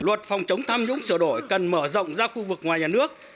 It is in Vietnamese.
luật phòng chống tham nhũng sửa đổi cần mở rộng ra khu vực ngoài nhà nước